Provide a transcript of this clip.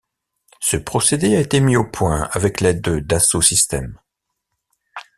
Ce procédé a été mis au point avec l'aide de Dassault Systèmes.